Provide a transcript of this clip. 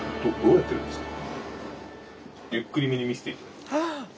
ゆっくりめに見せていただいて。